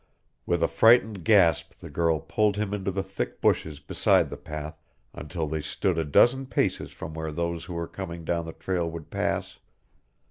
With a frightened gasp the girl pulled him into the thick bushes beside the path until they stood a dozen paces from where those who were coming down the trail would pass.